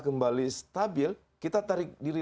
kembali stabil kita tarik diri